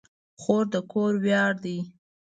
خور د کور ویاړ ده.